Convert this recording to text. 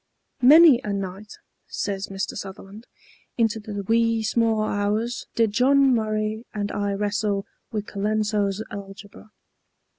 "Many a night," says Mr. Sutherland, "into the wee sma' hours, did John Murray and I wrestle with Colenso's Algebra.